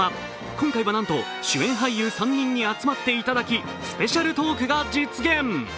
今回はなんと主演俳優３人に集まっていただきスペシャルトークが実現。